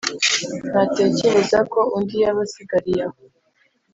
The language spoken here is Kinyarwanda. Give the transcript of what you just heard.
ntatekereza ko undi yaba asigariye aho.